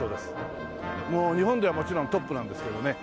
もう日本ではもちろんトップなんですけどね。